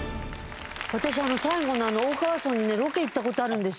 私最後の大川荘にねロケ行った事あるんです。